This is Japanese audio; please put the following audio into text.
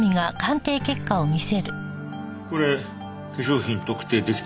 これ化粧品特定出来てないの？